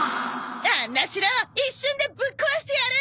あんな城一瞬でぶっ壊してやる！